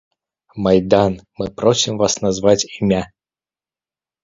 Майдан, мы просім вас назваць імя.